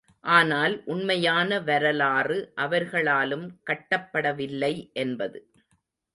ஆனால் உண்மையான வரலாறு, அவர்களாலும் கட்டப்படவில்லை என்பது.